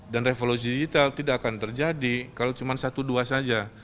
dan revolusi digital tidak akan terjadi kalau cuma satu dua saja